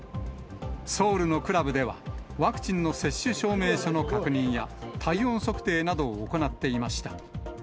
ソウルのクラブでは、ワクチンの接種証明書の確認や、体温測定などを行っていました。